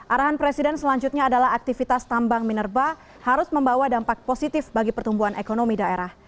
arahan presiden selanjutnya adalah aktivitas tambang minerba harus membawa dampak positif bagi pertumbuhan ekonomi daerah